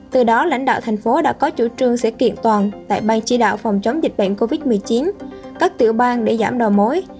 từ đó lãnh đạo thành phố đã có chủ trương sẽ kiện toàn tại bang chỉ đạo phòng chống dịch bệnh covid một mươi chín các tiểu bang để giảm đầu mối